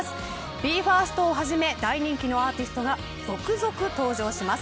ＢＥ：ＦＩＲＳＴをはじめ大人気のアーティストが続々登場します。